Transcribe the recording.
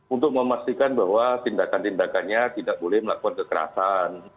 untuk memastikan bahwa tindakan tindakannya tidak boleh melakukan kekerasan